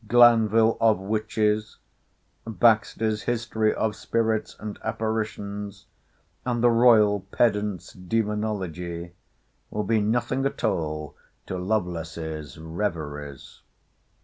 'Glanville of Witches,' 'Baxter's History of Spirits and Apparitions,' and the 'Royal Pedant's Demonology,' will be nothing at all to Lovelace's Reveries.